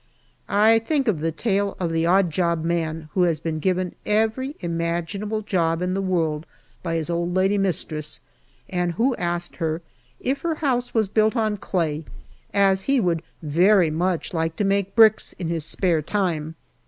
I think of the tale of the odd job man who had been given every imaginable job in the world by his old lady mistress, and who asked her if her house was built on clay, as he would very much like to make bricks in his spare time.